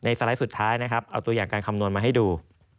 สไลด์สุดท้ายนะครับเอาตัวอย่างการคำนวณมาให้ดู